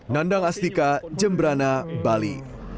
nandang astika jembrana bali